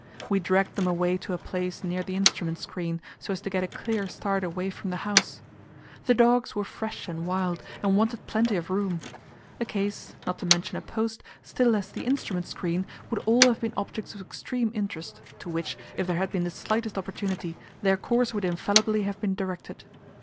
We dragged them away to a place near the instrument screen, so as to get a clear start away from the house. The dogs were fresh and wild, and wanted plenty of room; a case, not to mention a post, still less the instrument screen, would all have been objects of extreme interest, to which, if there had been the slightest opportunity, their course would infallibly have been directed.